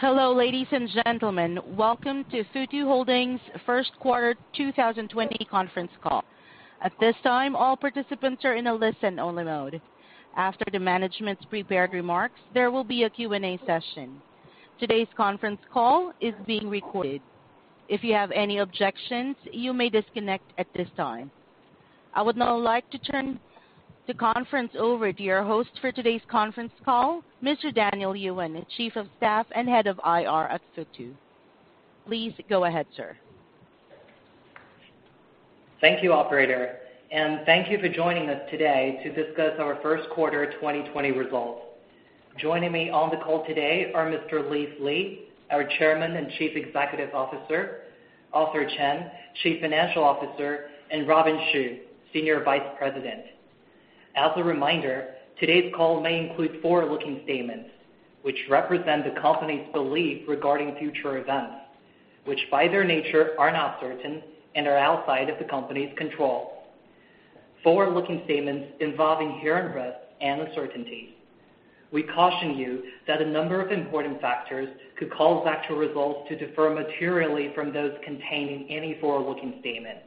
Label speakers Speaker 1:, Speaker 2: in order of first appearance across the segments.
Speaker 1: Hello, ladies and gentlemen. Welcome to Futu Holdings' first quarter 2020 conference call. At this time, all participants are in a listen-only mode. After the management's prepared remarks, there will be a Q&A session. Today's conference call is being recorded. If you have any objections, you may disconnect at this time. I would now like to turn the conference over to your host for today's conference call, Mr. Daniel Yuan, Chief of Staff and Head of IR at Futu. Please go ahead, sir.
Speaker 2: Thank you, Operator. Thank you for joining us today to discuss our first quarter 2020 results. Joining me on the call today are Mr. Leaf Li, our Chairman and Chief Executive Officer, Arthur Chen, Chief Financial Officer, and Robin Xu, Senior Vice President. As a reminder, today's call may include forward-looking statements which represent the company's belief regarding future events, which by their nature are not certain and are outside of the company's control. Forward-looking statements involve risks and uncertainties. We caution you that a number of important factors could cause actual results to differ materially from those contained in any forward-looking statement.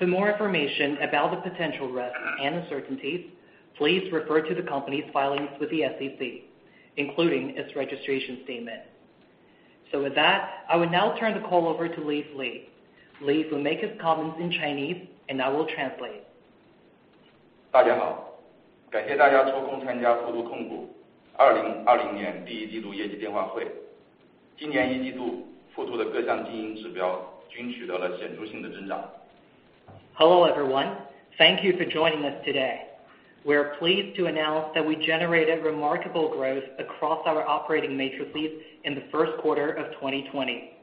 Speaker 2: For more information about the potential risks and uncertainties, please refer to the company's filings with the U.S. Securities and Exchange Commission, including its registration statement. I will now turn the call over to Leaf Li. Leaf will make his comments in Chinese, and I will translate.
Speaker 3: 大家好，感谢大家抽空参加富途控股2020年第一季度业绩电话会。今年一季度，富途的各项经营指标均取得了显著性的增长。
Speaker 2: Hello everyone, thank you for joining us today. We're pleased to announce that we generated remarkable growth across our operating metrics in the first quarter of 2020.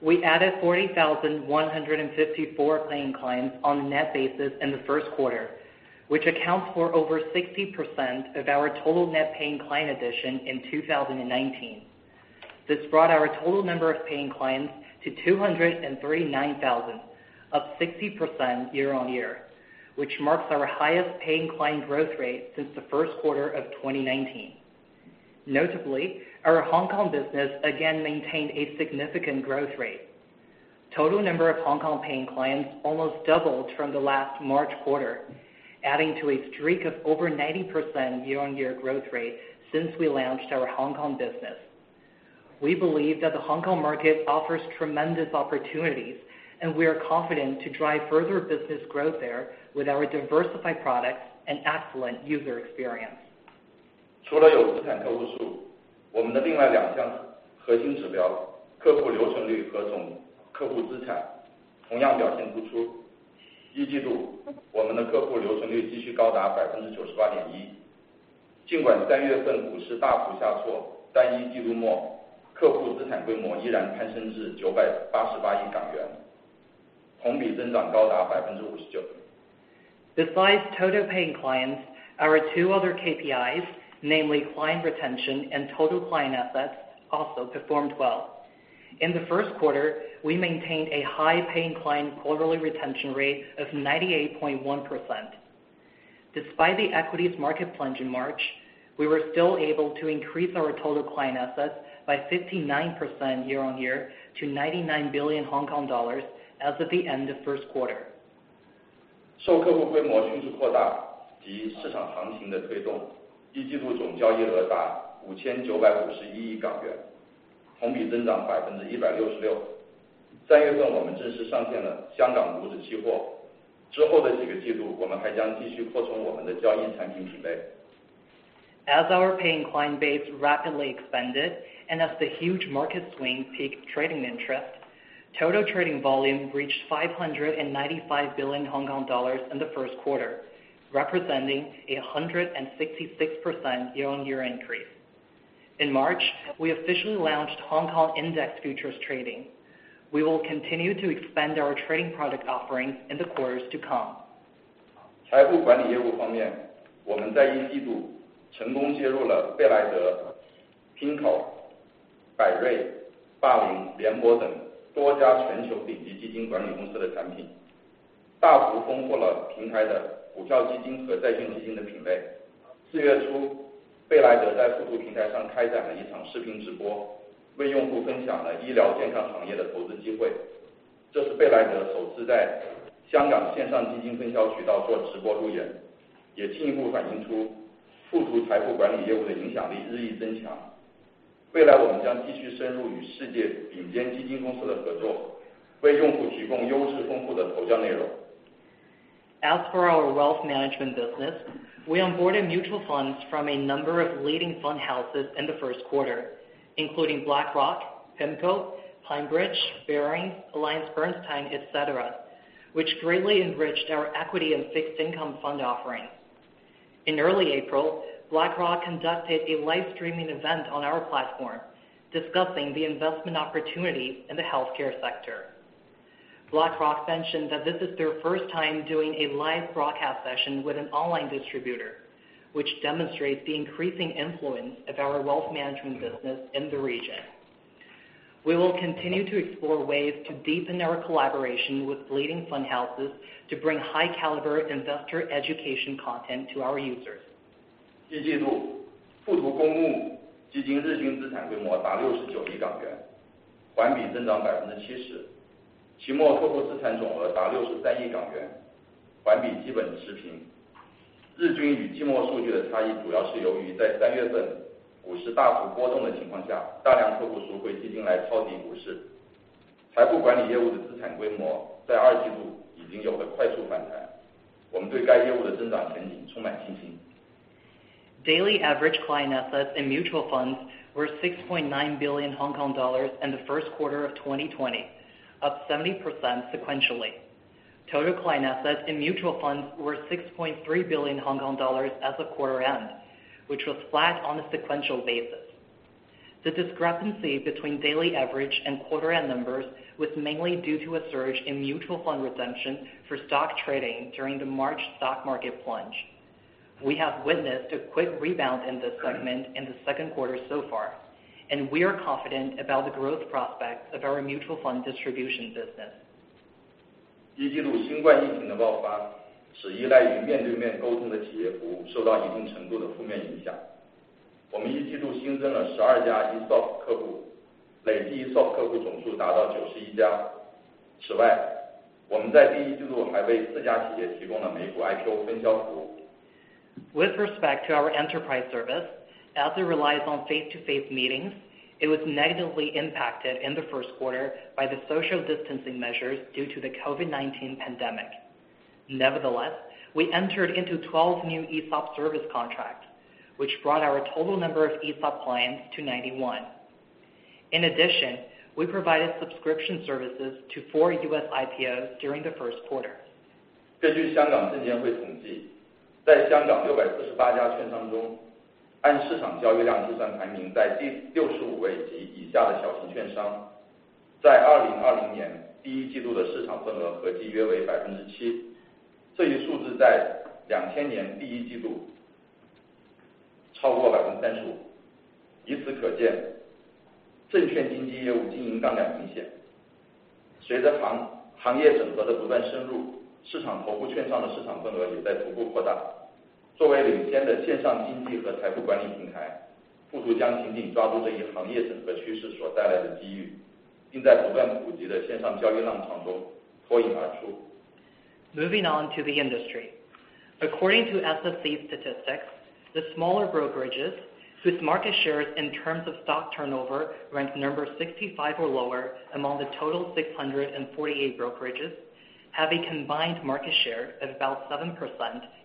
Speaker 2: We added 40,154 paying clients on a net basis in the first quarter, which accounts for over 60% of our total net paying client addition in 2019. This brought our total number of paying clients to 239,000, up 60% year on year, which marks our highest paying client growth rate since the first quarter of 2019. Notably, our Hong Kong business again maintained a significant growth rate. Total number of Hong Kong paying clients almost doubled from the last March quarter, adding to a streak of over 90% year on year growth rate since we launched our Hong Kong business. We believe that the Hong Kong market offers tremendous opportunities, and we are confident to drive further business growth there with our diversified products and excellent user experience.
Speaker 3: 除了有资产客户数，我们的另外两项核心指标，客户留存率和总客户资产，同样表现突出。一季度，我们的客户留存率继续高达98.1%。尽管3月份股市大幅下挫，但一季度末，客户资产规模依然攀升至988亿港元，同比增长高达59%。
Speaker 2: Besides total paying clients, our two other KPIs, namely client retention and total client assets, also performed well. In the first quarter, we maintained a high paying client quarterly retention rate of 98.1%. Despite the equities market plunge in March, we were still able to increase our total client assets by 59% year on year to 99 billion Hong Kong dollars as of the end of first quarter.
Speaker 3: 受客户规模迅速扩大及市场行情的推动，一季度总交易额达5,951亿港元，同比增长166%。3月份我们正式上线了香港股指期货，之后的几个季度我们还将继续扩充我们的交易产品品类。
Speaker 2: As our paying client base rapidly expanded and as the huge market swing piqued trading interest, total trading volume reached 595 billion Hong Kong dollars in the first quarter, representing a 166% year on year increase. In March, we officially launched Hong Kong index futures trading. We will continue to expand our trading product offerings in the quarters to come.
Speaker 3: 财富管理业务方面，我们在一季度成功接入了贝莱德、Pinnacle、百瑞、霸凌、联博等多家全球顶级基金管理公司的产品，大幅丰富了平台的股票基金和债券基金的品类。4月初，贝莱德在富途平台上开展了一场视频直播，为用户分享了医疗健康行业的投资机会。这是贝莱德首次在香港线上基金分销渠道做直播路演，也进一步反映出富途财富管理业务的影响力日益增强。未来我们将继续深入与世界顶尖基金公司的合作，为用户提供优质丰富的投教内容。
Speaker 2: As for our wealth management business, we onboarded mutual funds from a number of leading fund houses in the first quarter, including BlackRock, Pinnacle, PineBridge, Barings, AllianceBernstein, etc., which greatly enriched our equity and fixed income fund offerings. In early April, BlackRock conducted a live streaming event on our platform, discussing the investment opportunity in the healthcare sector. BlackRock mentioned that this is their first time doing a live broadcast session with an online distributor, which demonstrates the increasing influence of our wealth management business in the region. We will continue to explore ways to deepen our collaboration with leading fund houses to bring high-caliber investor education content to our users.
Speaker 3: 近季度，富途公募基金日均资产规模达69亿港元，环比增长70%。期末客户资产总额达63亿港元，环比基本持平。日均与季末数据的差异主要是由于在3月份股市大幅波动的情况下，大量客户赎回基金来抄底股市。财富管理业务的资产规模在二季度已经有了快速反弹，我们对该业务的增长前景充满信心。
Speaker 2: Daily average client assets in mutual funds were HKD 6.9 billion in the first quarter of 2020, up 70% sequentially. Total client assets in mutual funds were 6.3 billion Hong Kong dollars as of quarter end, which was flat on a sequential basis. The discrepancy between daily average and quarter end numbers was mainly due to a surge in mutual fund redemption for stock trading during the March stock market plunge. We have witnessed a quick rebound in this segment in the second quarter so far, and we are confident about the growth prospects of our mutual fund distribution business.
Speaker 3: 一季度新冠疫情的爆发，使依赖于面对面沟通的企业服务受到一定程度的负面影响。我们一季度新增了12家ESOP客户，累计ESOP客户总数达到91家。此外，我们在第一季度还为4家企业提供了美股IPO分销服务。
Speaker 2: With respect to our enterprise service, as it relies on face-to-face meetings, it was negatively impacted in the first quarter by the social distancing measures due to the COVID-19 pandemic. Nevertheless, we entered into 12 new ESOP service contracts, which brought our total number of ESOP clients to 91. In addition, we provided subscription services to four U.S. IPOs during the first quarter. Moving on to the industry. According to SFC statistics, the smaller brokerages, whose market shares in terms of stock turnover ranked number 65 or lower among the total 648 brokerages, have a combined market share of about 7%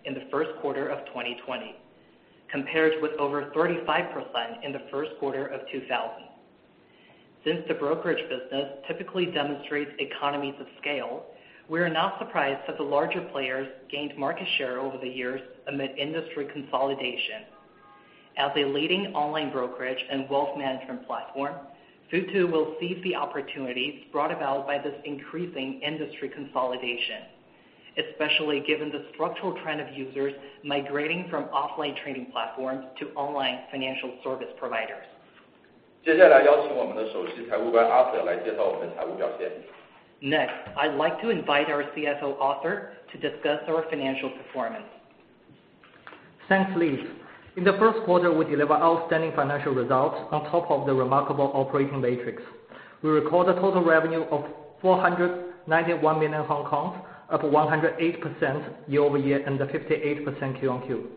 Speaker 2: in the first quarter of 2020, compared with over 35% in the first quarter of 2000. Since the brokerage business typically demonstrates economies of scale, we are not surprised that the larger players gained market share over the years amid industry consolidation. As a leading online brokerage and wealth management platform, Futu will seize the opportunities brought about by this increasing industry consolidation, especially given the structural trend of users migrating from offline trading platforms to online financial service providers.
Speaker 3: 接下来邀请我们的首席财务官 Arthur 来介绍我们的财务表现。
Speaker 2: Next, I'd like to invite our CFO Arthur to discuss our financial performance.
Speaker 4: Thanks, Leaf. In the first quarter, we delivered outstanding financial results on top of the remarkable operating metrics. We recorded a total revenue of 491 million, up 108% year over year and 58% Q on Q.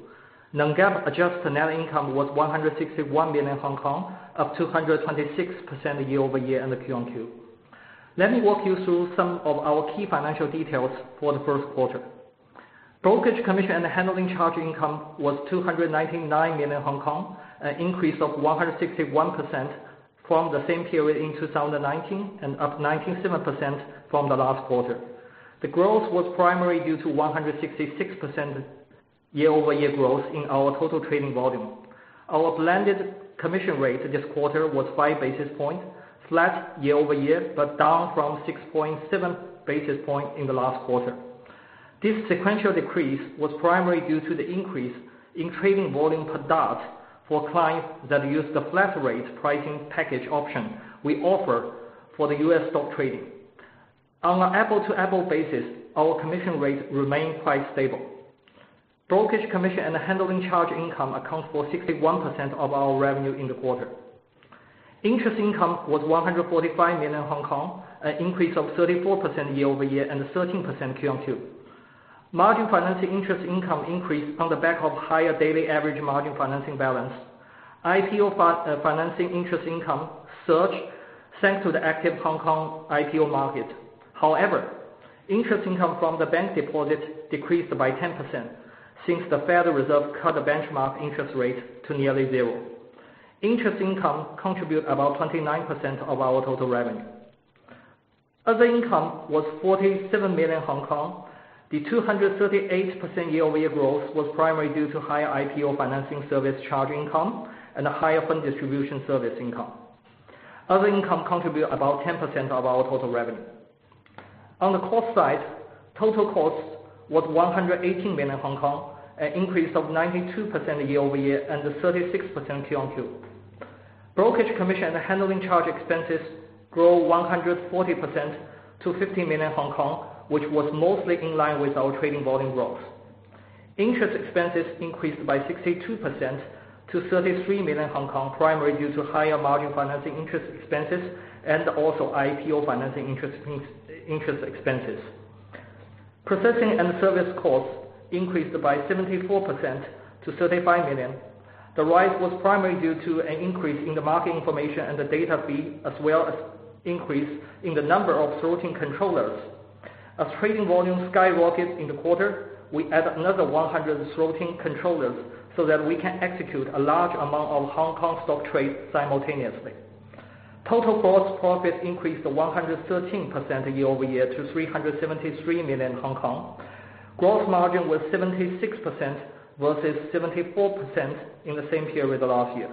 Speaker 4: Non-GAAP adjusted net income was 161 million Hong Kong, up 226% year over year and Q on Q. Let me walk you through some of our key financial details for the first quarter. Brokerage commission and handling charge income was 299 million Hong Kong, an increase of 161% from the same period in 2019 and up 97% from the last quarter. The growth was primarily due to 166% year over year growth in our total trading volume. Our blended commission rate this quarter was 5 basis points, flat year over year, but down from 6.7 basis points in the last quarter. This sequential decrease was primarily due to the increase in trading volume per DART for clients that use the flat rate pricing package option we offer for the U.S. stock trading. On an apples-to-apples basis, our commission rate remained quite stable. Brokerage commission and handling charge income account for 61% of our revenue in the quarter. Interest income was 145 million Hong Kong, an increase of 34% year over year and 13% Q on Q. Margin financing interest income increased on the back of higher daily average margin financing balance. IPO financing interest income surged thanks to the active Hong Kong IPO market. However, interest income from the bank deposit decreased by 10% since the Federal Reserve cut the benchmark interest rate to nearly zero. Interest income contributed about 29% of our total revenue. Other income was 47 million Hong Kong. The 238% year over year growth was primarily due to higher IPO financing service charge income and higher fund distribution service income. Other income contributed about 10% of our total revenue. On the cost side, total cost was 118 million Hong Kong, an increase of 92% year over year and 36% Q on Q. Brokerage commission and handling charge expenses grew 140% to 50 million Hong Kong, which was mostly in line with our trading volume growth. Interest expenses increased by 62% to 33 million Hong Kong, primarily due to higher margin financing interest expenses and also IPO financing interest expenses. Processing and service costs increased by 74% to 35 million. The rise was primarily due to an increase in the market information and the data fee, as well as an increase in the number of flow controllers. As trading volume skyrocketed in the quarter, we added another 100 flow controllers so that we can execute a large amount of Hong Kong stock trade simultaneously. Total gross profit increased to 113% year over year to 373 million Hong Kong. Gross margin was 76% versus 74% in the same period last year.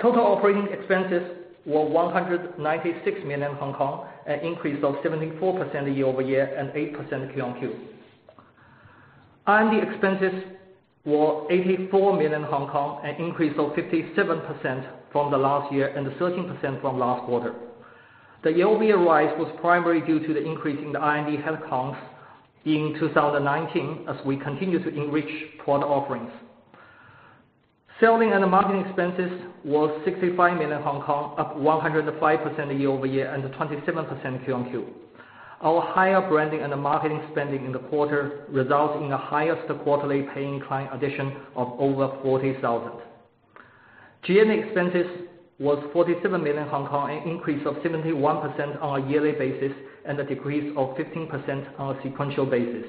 Speaker 4: Total operating expenses were 196 million Hong Kong, an increase of 74% year over year and 8% Q on Q. R&D expenses were 84 million Hong Kong, an increase of 57% from the last year and 13% from last quarter. The year over year rise was primarily due to the increase in the R&D headcounts in 2019, as we continue to enrich product offerings. Selling and marketing expenses were 65 million Hong Kong, up 105% year over year and 27% Q on Q. Our higher branding and marketing spending in the quarter resulted in a higher quarterly paying client addition of over 40,000. G&A expenses were 47 million Hong Kong, an increase of 71% on a yearly basis and a decrease of 15% on a sequential basis.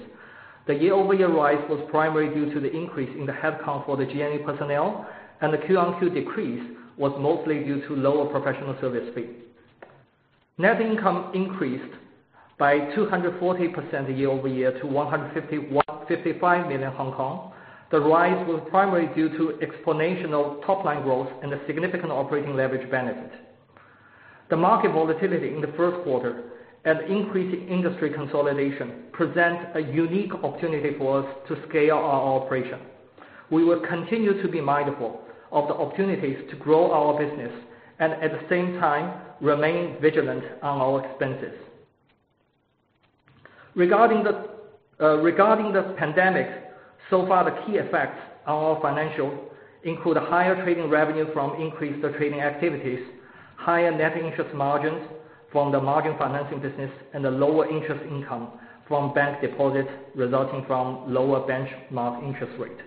Speaker 4: The year over year rise was primarily due to the increase in the headcount for the G&A personnel, and the Q on Q decrease was mostly due to lower professional service fee. Net income increased by 240% year over year to 155 million Hong Kong. The rise was primarily due to exponential top-line growth and a significant operating leverage benefit. The market volatility in the first quarter and increasing industry consolidation present a unique opportunity for us to scale our operation. We will continue to be mindful of the opportunities to grow our business and, at the same time, remain vigilant on our expenses. Regarding the pandemic, so far, the key effects on our financials include higher trading revenue from increased trading activities, higher net interest margins from the margin financing business, and lower interest income from bank deposits resulting from lower benchmark interest rates.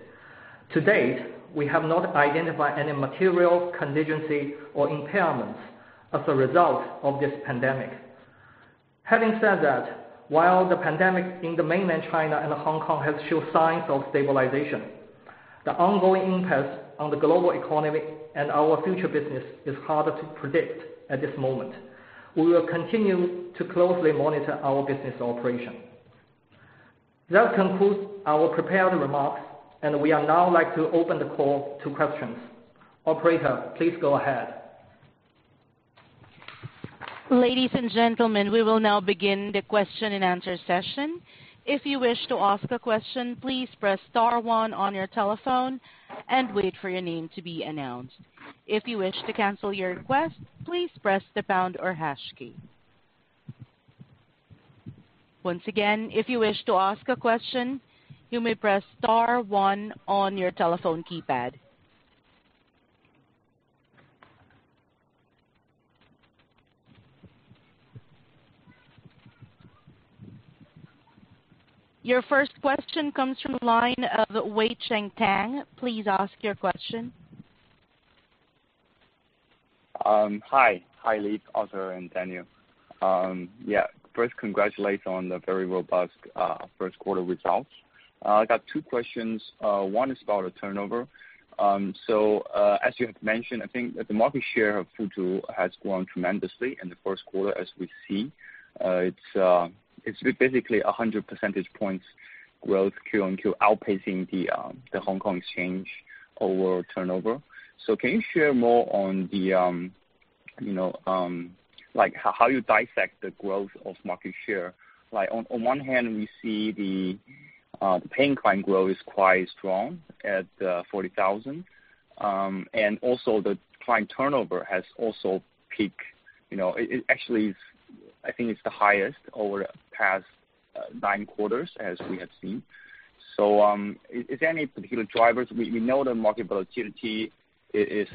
Speaker 4: To date, we have not identified any material contingency or impairments as a result of this pandemic. Having said that, while the pandemic in mainland China and Hong Kong has shown signs of stabilization, the ongoing impact on the global economy and our future business is harder to predict at this moment. We will continue to closely monitor our business operation. That concludes our prepared remarks, and we would now like to open the call to questions. Operator, please go ahead.
Speaker 1: Ladies and gentlemen, we will now begin the question and answer session. If you wish to ask a question, please press star one on your telephone and wait for your name to be announced. If you wish to cancel your request, please press the pound or hash key. Once again, if you wish to ask a question, you may press star one on your telephone keypad. Your first question comes from the line of Wei Cheng Tang. Please ask your question. Hi, hi, Leaf, Arthur, and Daniel. Yeah, first, congratulations on the very robust first quarter results. I got two questions. One is about a turnover. As you have mentioned, I think that the market share of Futu has grown tremendously in the first quarter, as we see. It's basically 100 percentage points growth Q on Q, outpacing the Hong Kong exchange over turnover. Can you share more on how you dissect the growth of market share? On one hand, we see the paying client growth is quite strong at 40,000. Also, the client turnover has also peaked. It actually, I think it's the highest over the past nine quarters, as we have seen. Is there any particular drivers? We know the market volatility is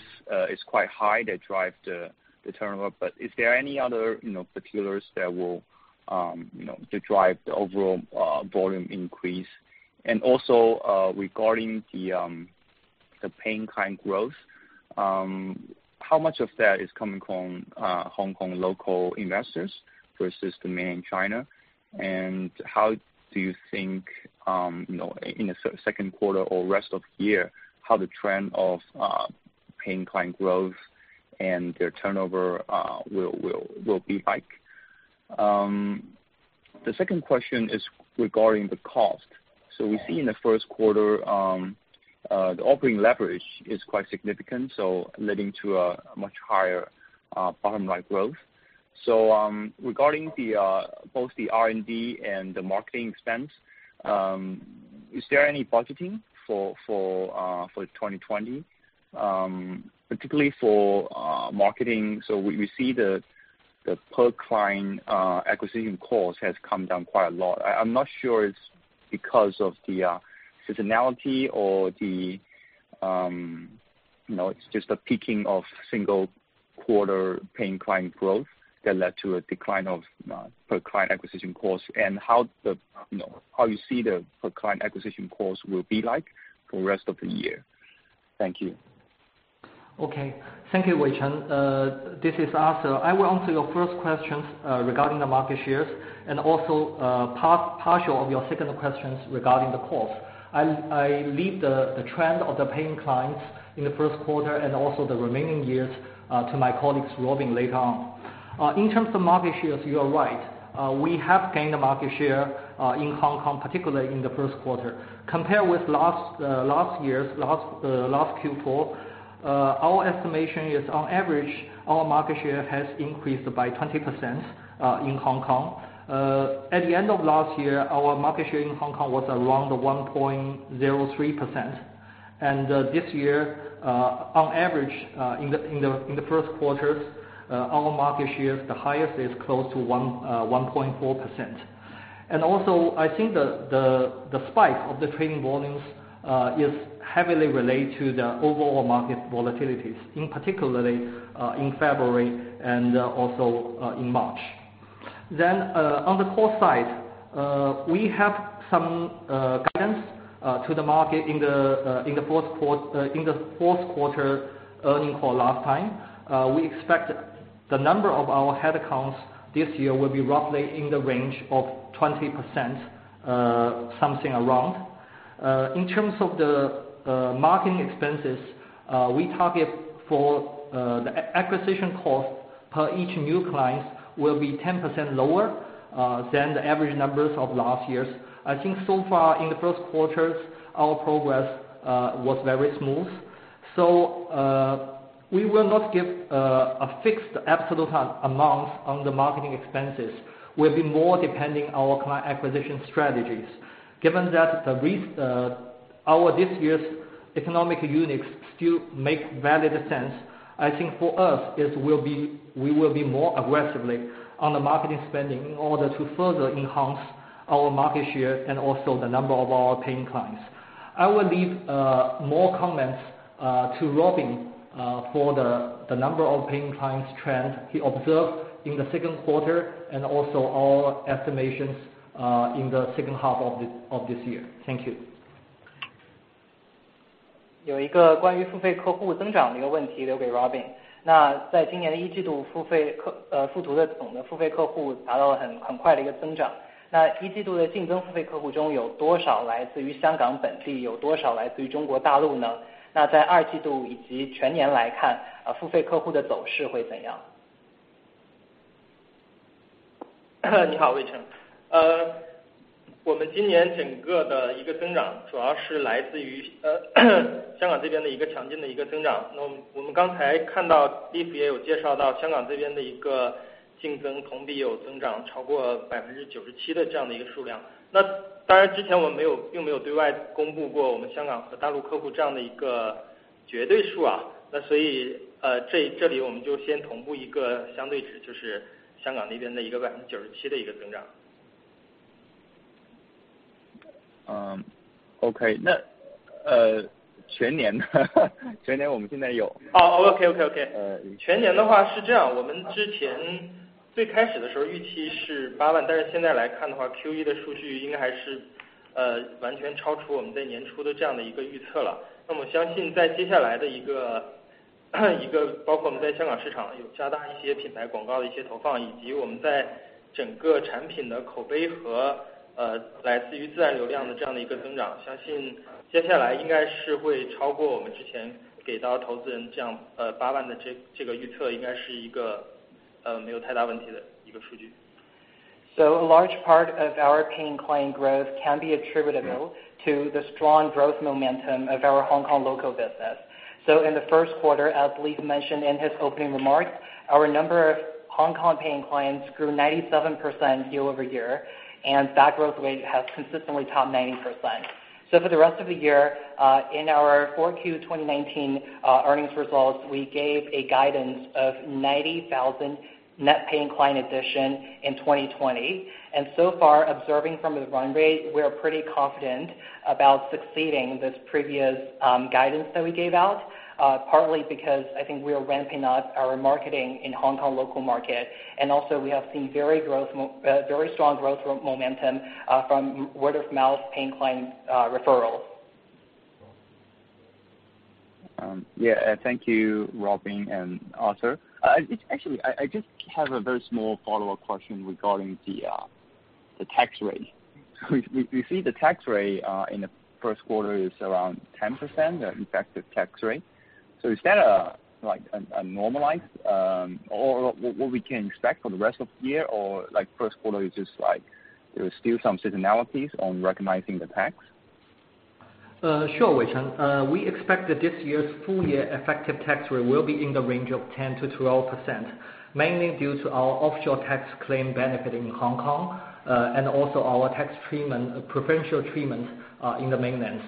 Speaker 1: quite high that drives the turnover, but is there any other particulars that will drive the overall volume increase? Also, regarding the paying client growth, how much of that is coming from Hong Kong local investors versus the mainland China? How do you think, in the second quarter or rest of year, how the trend of paying client growth and their turnover will be like? The second question is regarding the cost. We see in the first quarter, the operating leverage is quite significant, leading to a much higher bottom line growth. Regarding both the R&D and the marketing expense, is there any budgeting for 2020, particularly for marketing? We see the per client acquisition cost has come down quite a lot. I'm not sure it's because of the seasonality or it's just the peaking of single quarter paying client growth that led to a decline of per client acquisition cost and how you see the per client acquisition cost will be like for the rest of the year. Thank you.
Speaker 4: Okay. Thank you, Wei Cheng. This is Arthur. I will answer your first questions regarding the market shares and also partial of your second questions regarding the cost. I leave the trend of the paying clients in the first quarter and also the remaining years to my colleagues Robin later on. In terms of market shares, you are right. We have gained a market share in Hong Kong, particularly in the first quarter. Compared with last year, last Q4, our estimation is, on average, our market share has increased by 20% in Hong Kong. At the end of last year, our market share in Hong Kong was around 1.03%. And this year, on average, in the first quarters, our market share, the highest, is close to 1.4%. I think the spike of the trading volumes is heavily related to the overall market volatilities, particularly in February and also in March. On the cost side, we have some guidance to the market in the fourth quarter earnings call last time. We expect the number of our headcounts this year will be roughly in the range of 20%, something around. In terms of the marketing expenses, we target for the acquisition cost per each new client will be 10% lower than the average numbers of last year's. I think so far, in the first quarters, our progress was very smooth. We will not give a fixed absolute amount on the marketing expenses. We'll be more depending on our client acquisition strategies. Given that our this year's unit economics still make valid sense, I think for us, we will be more aggressive on the marketing spending in order to further enhance our market share and also the number of our paying clients. I will leave more comments to Robin for the number of paying clients trend he observed in the second quarter and also our estimations in the second half of this year. Thank you.
Speaker 5: 有一个关于付费客户增长的一个问题留给 Robin。那在今年的一季度，付途的总的付费客户达到了很快的一个增长。那一季度的竞争付费客户中有多少来自于香港本地，有多少来自于中国大陆呢？那在二季度以及全年来看，付费客户的走势会怎样？ 你好，Wei Cheng。我们今年整个的一个增长主要是来自于香港这边的一个强劲的一个增长。那我们刚才看到 Leaf 也有介绍到香港这边的一个竞争同比有增长超过 97% 的这样的一个数量。那当然之前我们并没有对外公布过我们香港和大陆客户这样的一个绝对数。那所以这里我们就先同步一个相对值，就是香港那边的一个 97% 的一个增长。Okay. 那全年呢？全年我们现在有。
Speaker 2: be a big problem to surpass the 80,000 forecast we previously gave to investors. A large part of our paying client growth can be attributable to the strong growth momentum of our Hong Kong local business. In the first quarter, as Leaf mentioned in his opening remarks, our number of Hong Kong paying clients grew 97% year over year, and that growth rate has consistently topped 90%. For the rest of the year, in our fourth quarter 2019 earnings results, we gave a guidance of 90,000 net paying client addition in 2020. So far, observing from the run rate, we're pretty confident about succeeding this previous guidance that we gave out, partly because I think we're ramping up our marketing in Hong Kong local market. Also, we have seen very strong growth momentum from word-of-mouth paying client referrals. Yeah. Thank you, Robin and Arthur. Actually, I just have a very small follow-up question regarding the tax rate. We see the tax rate in the first quarter is around 10%, the effective tax rate. Is that a normalized or what we can expect for the rest of the year or first quarter is just like there are still some seasonalities on recognizing the tax?
Speaker 4: Sure, Wei Cheng. We expect that this year's full year effective tax rate will be in the range of 10%-12%, mainly due to our offshore tax claim benefit in Hong Kong and also our tax treatment, preferential treatment in the mainland.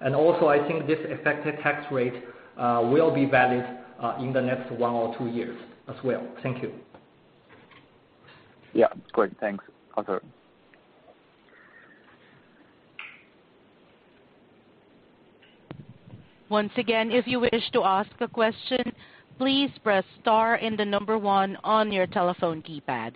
Speaker 4: I think this effective tax rate will be valid in the next one or two years as well. Thank you. Yeah. Great. Thanks, Arthur.
Speaker 1: Once again, if you wish to ask a question, please press star and the number one on your telephone keypad.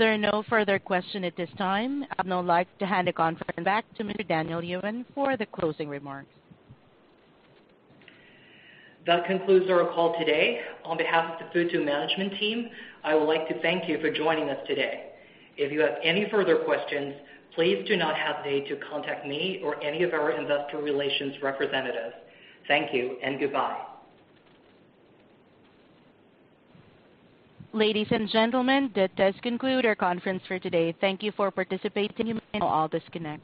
Speaker 1: There are no further questions at this time. I'd now like to hand the conference back to Mr. Daniel Yuan for the closing remarks.
Speaker 2: That concludes our call today. On behalf of the Futu management team, I would like to thank you for joining us today. If you have any further questions, please do not hesitate to contact me or any of our investor relations representatives. Thank you and goodbye.
Speaker 1: Ladies and gentlemen, that does conclude our conference for today. Thank you for participating. You may now all disconnect.